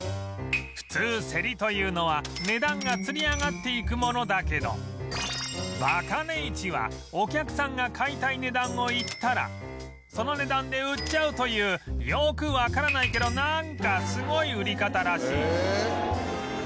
普通競りというのは値段がつり上がっていくものだけどバカネ市はお客さんが買いたい値段を言ったらその値段で売っちゃうというよくわからないけどなんかすごい売り方らしい